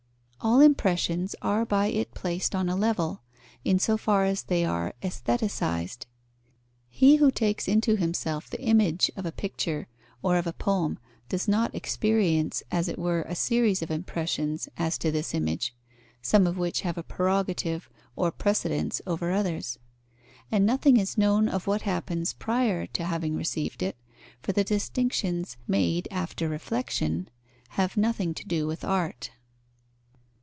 All impressions are by it placed on a level, in so far as they are aestheticised. He who takes into himself the image of a picture or of a poem does not experience, as it were, a series of impressions as to this image, some of which have a prerogative or precedence over others. And nothing is known of what happens prior to having received it, for the distinctions made after reflexion have nothing to do with art.